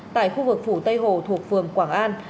tại khu vực phủ tây hồ thuộc phường quảng an